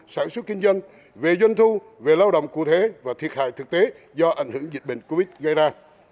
sản xuất kinh doanh về doanh thu về lao động cụ thể và thiệt hại thực tế do ảnh hưởng dịch bệnh covid gây ra